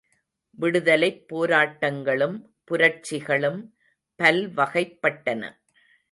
விடுதலைப் போராட்டங்களும் புரட்சிகளும் பல்வகைப்பட்டன.